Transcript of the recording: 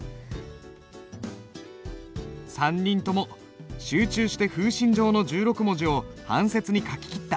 ３人とも集中して「風信帖」の１６文字を半切に書ききった。